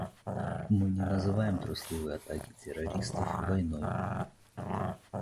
Мы не называем трусливые атаки террористов войной.